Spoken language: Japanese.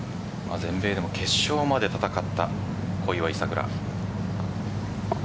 全米でも決勝まで戦った小祝さくら。